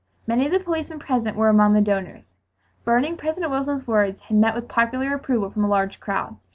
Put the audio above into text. Many of the policemen present were among the donors. Burning President Wilson's words had met with popular approval from a large crowd!